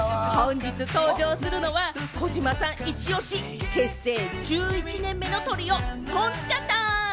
本日登場するのは児嶋さんイチオシ、結成１１年目のトリオ・トンツカタン。